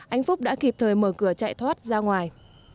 anh phúc đã kịp thời mở cửa chạy thoát ra ngoài